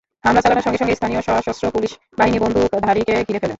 হামলা চালানোর সঙ্গে সঙ্গে স্থানীয় সশস্ত্র পুলিশ বাহিনী বন্দুকধারীকে ঘিরে ফেলে।